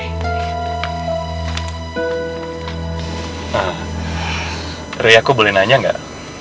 nah re aku boleh nanya gak